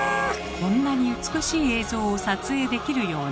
こんなに美しい映像を撮影できるように。